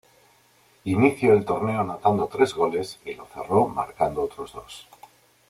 Inicio el torneo anotando tres goles y lo cerró marcando otros dos.